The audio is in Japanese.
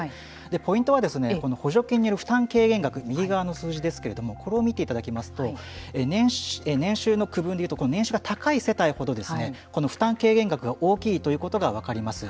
ポイントは補助金による負担軽減額右側の数字ですけれどもこれを見ていただきますと年収の区分でいうとこの年収が高い世帯ほどこの負担軽減額が大きいということが分かります。